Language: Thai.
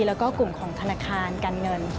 แล้วก็กลุ่มของธนาคารการเงิน